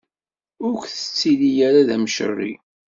Ur k-ttili ara d amceṛṛi!